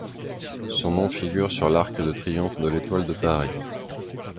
Son nom figure sur l'Arc de triomphe de l'Étoile de Paris.